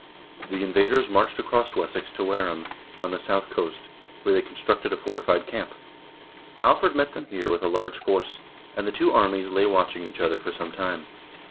The invaders marched across Wessex to Wareham, on the south coast, where they constructed a fortified camp. Alfred met them here with a large force, and the two armies lay watching each other for some time.